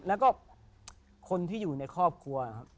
อยากขอบคุณที่อยู่ในครอบครัว